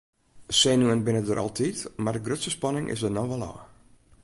Senuwen binne der altyd mar de grutste spanning is der no wol ôf.